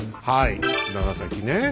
はい長崎ね。